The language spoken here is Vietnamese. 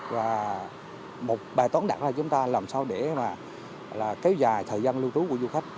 và một bài toán đặt ra chúng ta làm sao để mà kéo dài thời gian lưu trú của du khách